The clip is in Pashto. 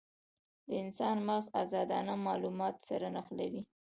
د انسان مغز ازادانه مالومات سره نښلوي.